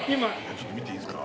ちょっと見ていいですか？